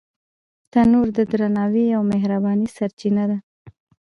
تنور د درناوي او مهربانۍ سرچینه ده